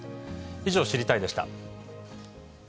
以上、知りたいッ！でした。